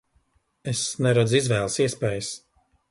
Es neredzu izvēles iespējas.